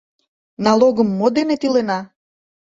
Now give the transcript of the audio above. Налогым мо дене тӱлена?